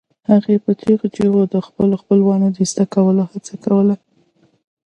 هغې په چیغو چیغو د خپلو خپلوانو د ایستلو هڅه کوله